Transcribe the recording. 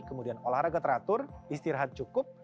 kemudian olahraga teratur istirahat cukup